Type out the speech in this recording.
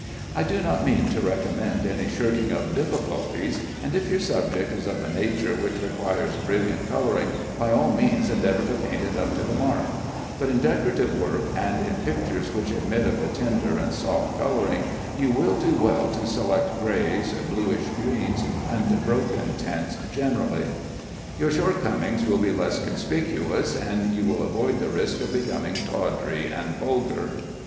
I do not mean to recommend any shirking of difficulties, and if your subject is of a nature which requires brilliant coloring, by all means endeavor to paint it up to the mark; but in decorative work, and in pictures which admit of a tender and soft coloring, you will do well to select grays, bluish greens, and broken tints generally. Your shortcomings will be less conspicuous, and you will avoid the risk of becoming tawdry and vulgar.